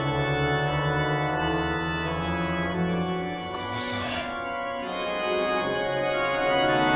母さん。